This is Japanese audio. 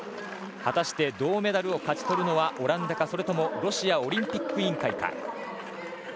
果たして銅メダルを勝ち取るのはオランダかロシアオリンピック委員会か。